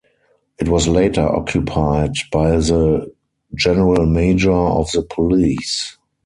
It was later occupied by the "Generalmajor" of the Police.